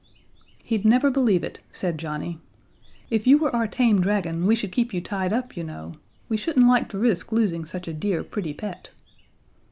"He'd never believe it," said Johnnie. "If you were our tame dragon we should keep you tied up, you know. We shouldn't like to risk losing such a dear, pretty pet."